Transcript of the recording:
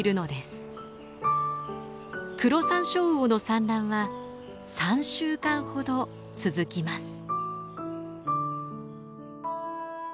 クロサンショウウオの産卵は３週間ほど続きます。